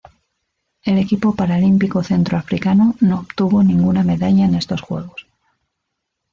El equipo paralímpico centroafricano no obtuvo ninguna medalla en estos Juegos.